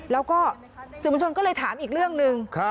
แล้วก็สื่อมวลชนก็เลยถามอีกเรื่องหนึ่ง